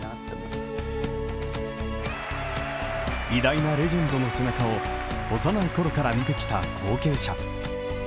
偉大なレジェンドの背中を幼い頃から見てきた後継者。